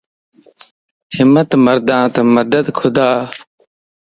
ھمت مردان مددِ خدا